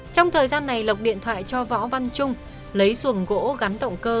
trong thời gian này lộc điện thoại cho võ văn trung lấy xuồng gỗ gắn động cơ